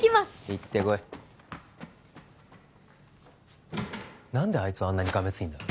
行ってこい何であいつはあんなにがめついんだ？